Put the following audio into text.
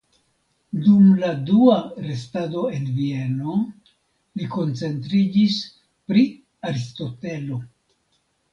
Dum la dua restado en Vieno li koncentriĝis pri Aristotelo.